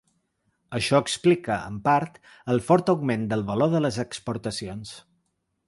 Això explica, en part, el fort augment del valor de les exportacions.